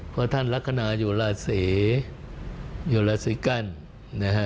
เพราะท่านลักษณะอยู่ราชิกรรม